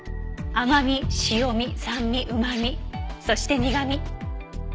甘味塩味酸味うま味そして苦味。